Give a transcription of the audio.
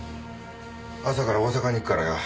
朝から大阪に行くからよ。